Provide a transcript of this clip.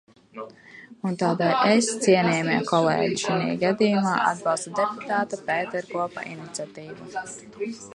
Un tādēļ es, cienījamie kolēģi, šinī gadījumā atbalstu deputāta Pēterkopa iniciatīvu.